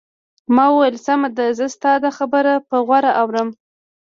ما وویل: سمه ده، زه ستا دا خبره په غور اورم.